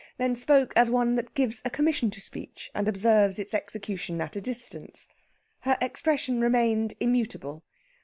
Then spoke as one that gives a commission to speech, and observes its execution at a distance. Her expression remained immutable.